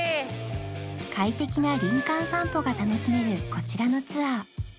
快適な林間散歩が楽しめるこちらのツアー